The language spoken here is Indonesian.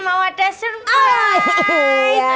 mau ada surprise